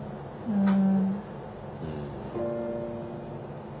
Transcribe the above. うん。